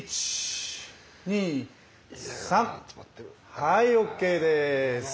はいＯＫです。